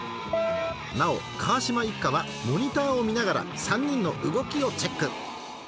なお川島一家はモニターを見ながら３人の動きをチェック